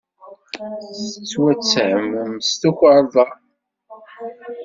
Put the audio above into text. Tettwattehmem s tukerḍa.